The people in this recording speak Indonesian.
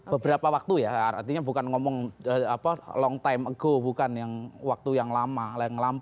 beberapa waktu ya artinya bukan ngomong long time ago bukan yang waktu yang lama